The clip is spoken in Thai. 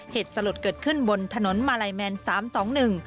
เหตุสลดเกิดขึ้นบนถนนมาลัยแมน๓๒๑